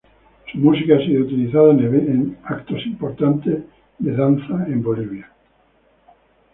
Su música ha sido utilizada en eventos importantes de Danza en Bolivia.